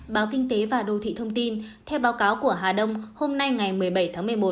báo kinh tế và đô thị thông tin theo báo cáo của hà đông hôm nay ngày một mươi bảy tháng một mươi một